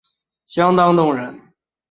相当动人